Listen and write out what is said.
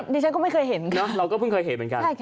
ดิฉันก็ไม่เคยเห็นเนอะเราก็เพิ่งเคยเห็นเหมือนกัน